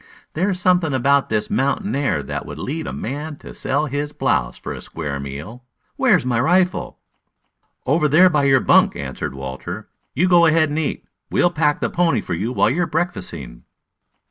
"There's something about this mountain air that would lead a man to sell his blouse for a square meal. Where's my rifle?" "Over there by your bunk," answered Walter. "You go ahead and eat. We'll pack the pony for you while you are breakfasting."